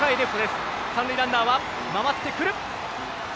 三塁ランナーは回ってくる。